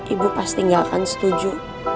ibu pasti gak akan setuju